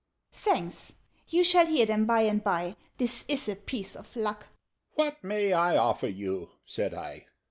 "Thanks! You shall hear them by and by This is a piece of luck!" "What may I offer you?" said I.